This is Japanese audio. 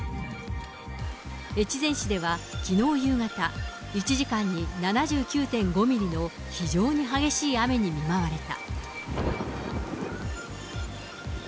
越前市ではきのう夕方、１時間に７９．５ミリの非常に激しい雨に見舞われた。